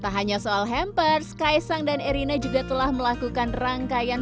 tak hanya soal hampers kaisang dan erina juga telah melakukan rangkaian